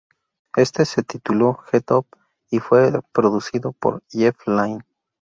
Este se tituló "Get Up" y fue producido por Jeff Lynne.